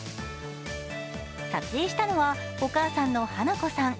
撮影したのは、お母さんのはなこさん。